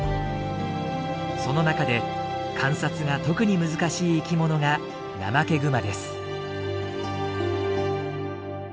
その中で観察が特に難しい生きものがナマケグマです。